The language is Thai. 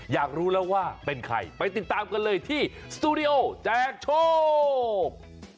อยากรู้แล้วว่าเป็นใครไปติดตามกันเลยที่สตูดิโอแจกโชค